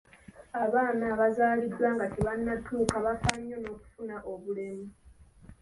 Abaana abazalibwa nga tebannatuusa bafa nnyo n'okufuna obulemu.